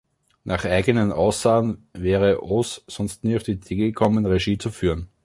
Nach eigenen Aussagen wäre Oz sonst nie auf die Idee gekommen, Regie zu führen.